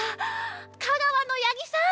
香川の八木さん